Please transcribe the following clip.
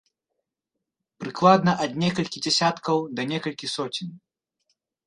Прыкладна ад некалькі дзесяткаў да некалькі соцень.